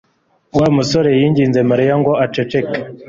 wa musore yinginze Mariya ngo aceceke.